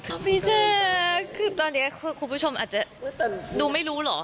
พี่แจ๊คคือตอนนี้คุณผู้ชมอาจจะดูไม่รู้เหรอ